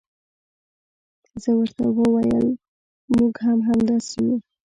زه ورته وویل موږ هم همداسې یو.